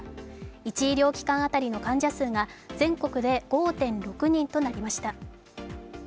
１医療機関当たりの患者数が全国で５．６人となりました。